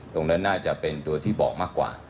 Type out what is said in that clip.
ตรงนั้นน่าจะเป็นตัวที่บอกมากกว่า